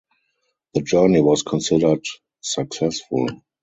The journey was considered successful.